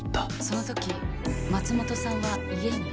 そのとき松本さんは家に？